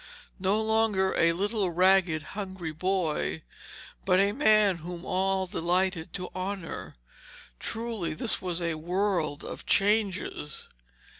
No longer a little ragged, hungry boy, but a man whom all delighted to honour. Truly this was a world of changes!